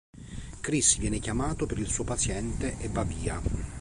Chris viene chiamato per il suo paziente e va via.